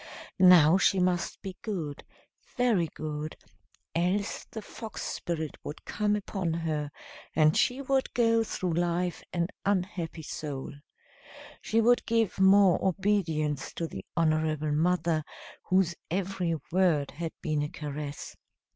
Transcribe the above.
Now she must be good very good else the fox spirit would come upon her, and she would go through life an unhappy soul. She would give more obedience to the honorable mother, whose every word had been a caress.